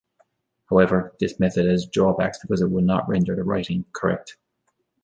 However, this method has drawbacks because it will not render the writing "correct".